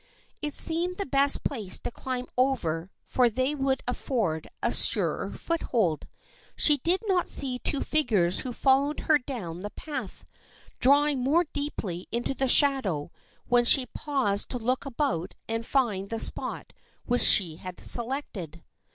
It seemed the best place to climb over for they would afford a surer foothold. She did not see two figures who followed her down the path, drawing more deeply into the shadow when she paused to look about and find the spot which she had selected.